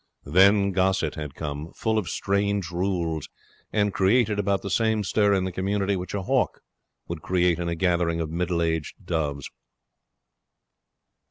Then Gossett had come, full of strange rules, and created about the same stir in the community which a hawk would create in a gathering of middle aged doves.